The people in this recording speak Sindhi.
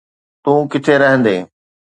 تون ڪٿي رهندين؟